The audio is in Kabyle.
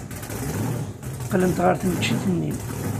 Qqlent ɣer tneččit-nni.